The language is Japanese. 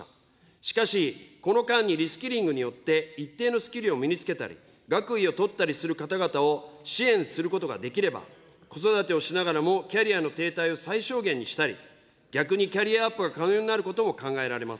しかし、この間にリスキリングによって一定のスキルを身につけたり、学位を取ったりする方々を支援することができれば、子育てをしながらも、キャリアの停滞を最小限にしたり、逆にキャリアアップが可能になることも考えられます。